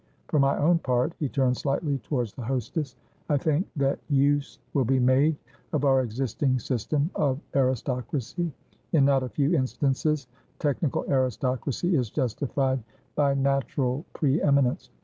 For my own part"he turned slightly towards the hostess"I think that use will be made of our existing system of aristocracy; in not a few instances, technical aristocracy is justified by natural pre eminence.